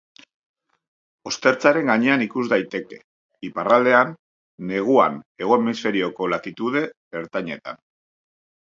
Ostertzaren gainean ikus daiteke, iparraldean, neguan Hego Hemisferioko latitude ertainetan.